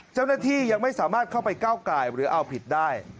เจ้าหน้าที่ยังไม่สามารถเข้าไปก้าวไก่หรือเอาผิดได้